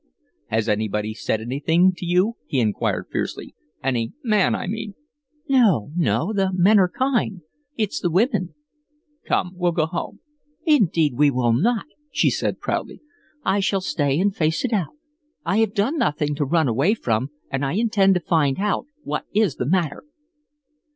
"Has anybody said anything to you?" he inquired, fiercely. "Any man, I mean?" "No, no! The men are kind. It's the women." "Come we'll go home." "Indeed, we will not," she said, proudly. "I shall stay and face it out. I have done nothing to run away from, and I intend to find out what is the matter."